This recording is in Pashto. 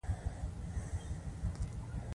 ډوپامين چې کم شي نو د انسان څوشالي